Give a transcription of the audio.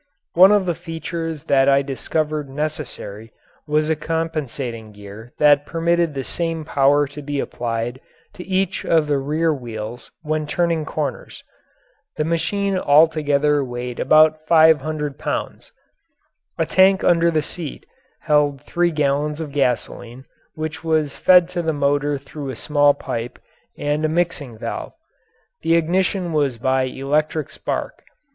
One of the features that I discovered necessary was a compensating gear that permitted the same power to be applied to each of the rear wheels when turning corners. The machine altogether weighed about five hundred pounds. A tank under the seat held three gallons of gasoline which was fed to the motor through a small pipe and a mixing valve. The ignition was by electric spark.